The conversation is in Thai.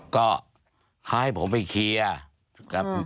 ก็ให้ผมไปเคียร์